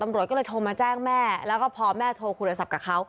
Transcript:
ตำรวจก็เลยโทรมาแจ้งแม่แล้วก็พอแม่โทรคุยโทรศัพท์กับเขา